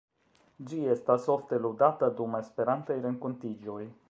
Ĝi estas ofte ludata dum Esperantaj renkontiĝoj.